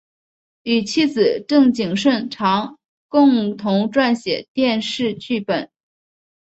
与妻子郑景顺常共同撰写电视剧剧本。